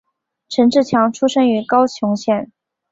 陈志强出生于高雄县。